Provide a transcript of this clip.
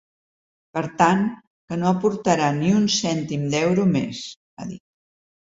“Per tant, que no aportarà ni un cèntim d’euro més”, ha dit.